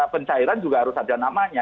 pencairan juga harus ada namanya